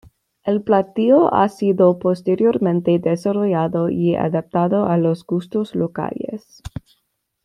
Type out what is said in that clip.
El platillo ha sido posteriormente desarrollado y adaptado a los gustos locales.